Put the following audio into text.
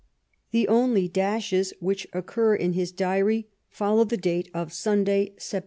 The only dashes which occur in his diary follow the date of Sunday, Sept.